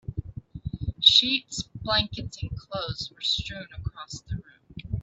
Sheets, blankets, and clothes were strewn across the room.